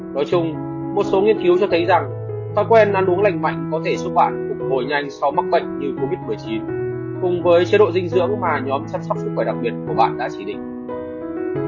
nói chung một số nghiên cứu cho thấy rằng thói quen ăn uống lành mạnh có thể giúp bạn phục hồi nhanh sau mắc bệnh như covid một mươi chín cùng với chế độ dinh dưỡng mà nhóm chăm sóc sức khỏe đặc biệt của bạn đã chỉ định